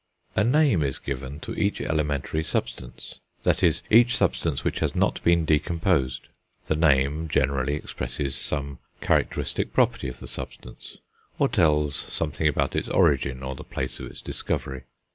A name is given to each elementary substance, that is, each substance which has not been decomposed; the name generally expresses some characteristic property of the substance, or tells something about its origin or the place of its discovery.